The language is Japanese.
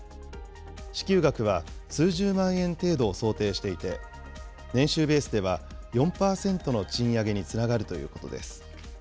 支給額は数十万円程度を想定していて、年収ベースでは４％の賃上げにつながるということです。